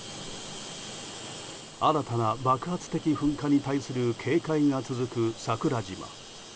新たな爆発的噴火に対する警戒が続く桜島。